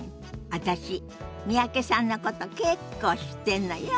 私三宅さんのこと結構知ってんのよ。